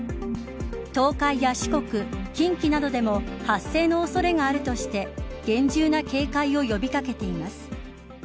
東海や四国、近畿などでも発生の恐れがあるとして厳重な警戒を呼び掛けています。